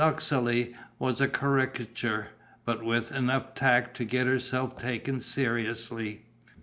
Uxeley was a caricature, but with enough tact to get herself taken seriously.